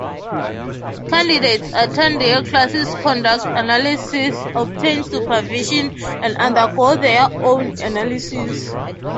Candidates attend classes, conduct analyses, obtain supervision, and undergo their own analysis.